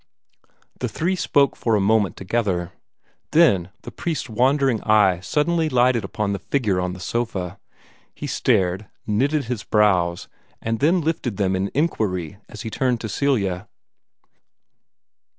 The three spoke for a moment together. Then the priest's wandering eye suddenly lighted upon the figure on the sofa. He stared, knitted his brows, and then lifted them in inquiry as he turned to Celia.